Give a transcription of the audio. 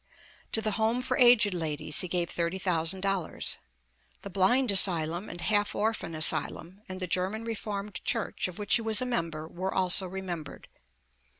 To the Home for Aged Ladies he gave thirty thou sand dollars. The Blind Asylum and Half Orphan Asylum, and the German Reformed Church, of which he was a member, were also remembered.